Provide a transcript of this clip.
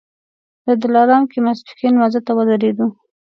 د دلارام کې ماسپښین لمانځه ته ودرېدو.